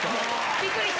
びっくりした？